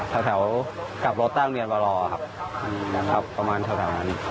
ถ้าแถวกลับรถตั้งเรียนว่ารอครับครับประมาณเท่าทางนั้น